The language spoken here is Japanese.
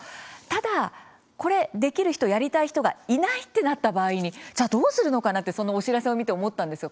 ただ、これできる人、やりたい人がいないとなった場合にじゃあどうするのかな？とそのお知らせを見て思ったんですよ。